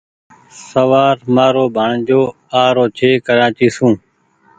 شوآر مآرو ڀآڻيجو آ رو ڇي ڪرآچي سون